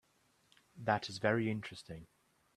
That is very interesting.